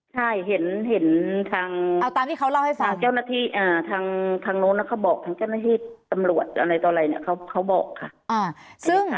ใช่เห็นทางเจ้าหน้าที่ทางโน้นเขาบอกทางเจ้าหน้าที่ตำรวจอะไรต่ออะไรเขาบอกค่ะ